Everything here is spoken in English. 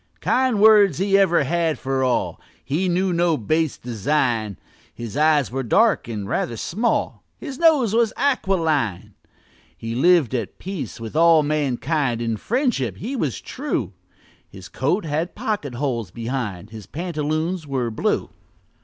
Kind words he ever had for all; He knew no base design: His eyes were dark and rather small, His nose was aquiline. He lived at peace with all mankind, In friendship he was true; His coat had pocket holes behind, His pantaloons were blue.